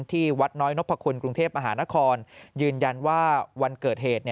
ที่วัดน้อยนพคุณกรุงเทพมหานครยืนยันว่าวันเกิดเหตุ